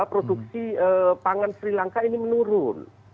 produksi pangan sri lanka ini menurun